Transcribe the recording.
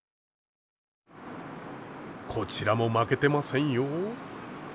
こちらも負けてませんよ。